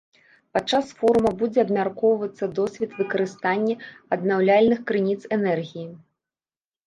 Падчас форума будзе абмяркоўвацца досвед выкарыстання аднаўляльных крыніц энергіі.